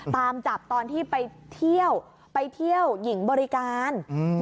ตามจับตอนที่ไปเที่ยวไปเที่ยวหญิงบริการ